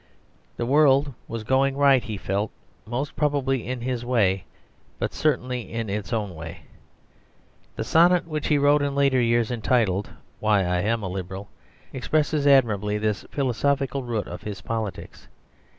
The world was going right he felt, most probably in his way, but certainly in its own way. The sonnet which he wrote in later years, entitled "Why I am a Liberal," expresses admirably this philosophical root of his politics.